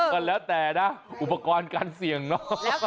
ก็แล้วแต่นะอุปกรณ์การเสี่ยงเนอะ